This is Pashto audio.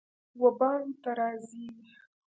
وبام ته راځی